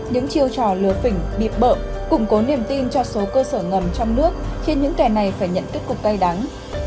những chiêu trò lừa phỉnh điệp bợm củng cố niềm tin cho số cơ sở ngầm trong nước khiến những kẻ này phải nhận kích cục cay đắng